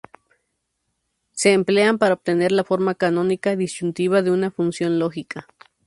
Se emplean para obtener la forma canónica disyuntiva de una función lógica.